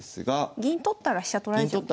銀取ったら飛車取られちゃうんですね。